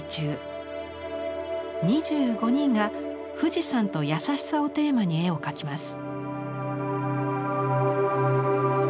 ２５人が富士山と優しさをテーマに絵を描きます。